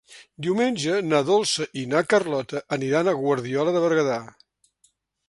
Diumenge na Dolça i na Carlota aniran a Guardiola de Berguedà.